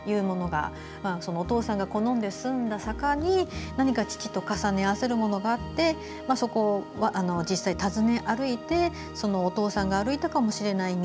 お父さんが好んで住んだ坂に何か父と重ね合わせるものがあってそこを実際に訪ね歩いてお父さんが歩いたかもしれない道